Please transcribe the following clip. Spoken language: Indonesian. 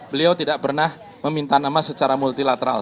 beliau tidak pernah meminta nama secara multilateral